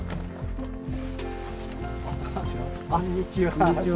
こんにちは。